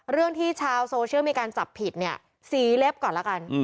เรื่องที่ชาวโซเชียลมีการจับผิดเนี่ยสีเล็บก่อนละกัน